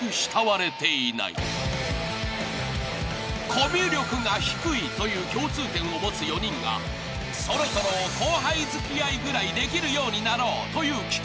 ［コミュ力が低いという共通点を持つ４人がそろそろ後輩付き合いぐらいできるようになろうという企画］